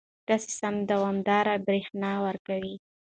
دا سیستم دوامداره برېښنا ورکوي.